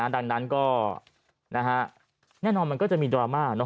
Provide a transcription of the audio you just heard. ดังนั้นก็แน่นอนมันก็จะมีดราม่า